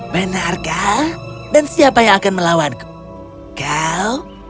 benarkah dan siapa yang akan melawanku kau